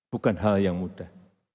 bukan hal yang mudah